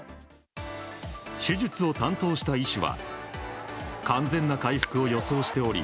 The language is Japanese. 手術を担当した医師は完全な回復を予想しており